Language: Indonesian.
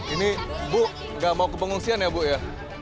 ini bu nggak mau kebengungsian ya bu ya